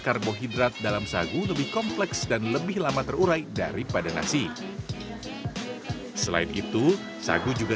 karbohidrat dalam sagu lebih kompleks dan lebih lama terurai daripada nasi selain itu sagu juga